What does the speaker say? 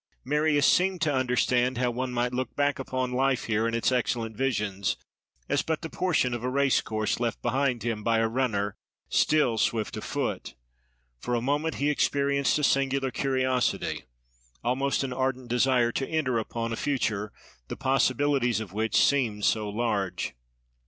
Marius seemed to understand how one might look back upon life here, and its excellent visions, as but the portion of a race course left behind him by a runner still swift of foot: for a moment he experienced a singular curiosity, almost an ardent desire to enter upon a future, the possibilities of which seemed so large.